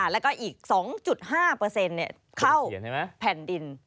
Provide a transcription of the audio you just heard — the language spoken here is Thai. แล้วก็อีก๒๕เปอร์เซ็นต์เข้าแผ่นดิน